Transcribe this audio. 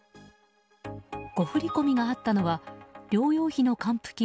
誤振り込みがあったのは療養費の還付金